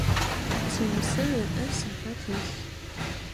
Тинысэ ыӏэ сыхьат илъ.